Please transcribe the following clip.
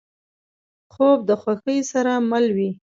خوب د خوښۍ سره مل وي